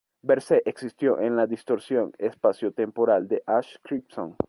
Verse existió en la distorsión espaciotemporal de Ash Crimson.